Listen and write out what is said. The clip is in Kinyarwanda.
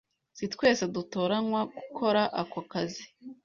Si twese dutoranywa gukora ako kazi